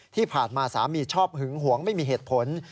ที่ผ่านมาสามีชอบหึงหวงไม่มีเหตุผล